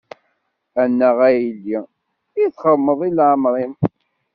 A naɣ a yelli, i txedmeḍ i leɛmer-im.